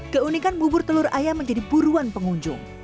keunikan bubur telur ayam menjadi buruan pengunjung